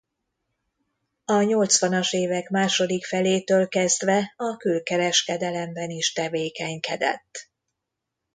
A nyolcvanas évek második felétől kezdve a külkereskedelemben is tevékenykedett.